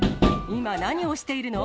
今、何をしているの？